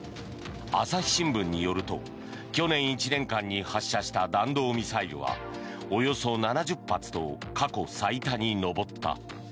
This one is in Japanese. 朝日新聞によると去年１年間に発射した弾道ミサイルはおよそ７０発と過去最多に上った。